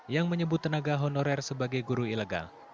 yang menyebut tenaga honorer sebagai guru ilegal